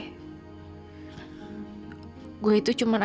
kalau rosaro bisa jadi rangga